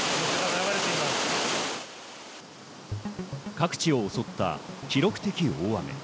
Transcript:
各地を襲った記録的大雨。